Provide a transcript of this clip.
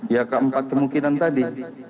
ya keempat kemungkinan tadi